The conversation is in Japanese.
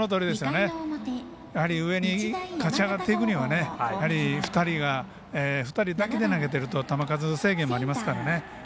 やはり上に勝ち上がっていくには２人だけで投げていると球数制限もありますからね。